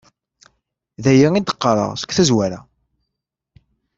D aya i d-qqaraɣ seg tazwara.